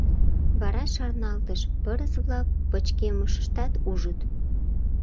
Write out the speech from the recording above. Вара шарналтыш: пырыс-влак пычкемышыштат ужыт.